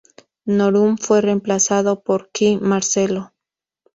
Norum fue reemplazado por Kee Marcello.